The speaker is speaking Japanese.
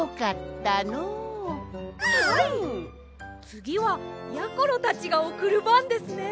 つぎはやころたちがおくるばんですね。